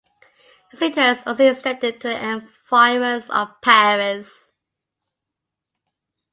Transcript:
His interest also extended to the environs of Paris.